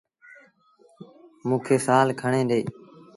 موݩ سآل تا کڻي ڏي۔